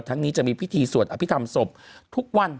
นี้จะมีพิธีสวดอภิษฐรรมศพทุกวัน